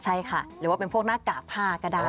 ใช่ค่ะหรือว่าเป็นพวกหน้ากากผ้าก็ได้